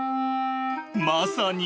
まさに